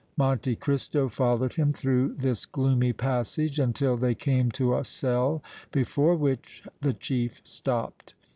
Monte Cristo followed him through this gloomy passage until they came to a cell before which the chief stopped.